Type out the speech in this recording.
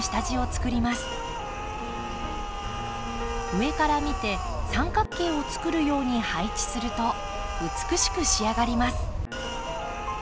上から見て三角形をつくるように配置すると美しく仕上がります。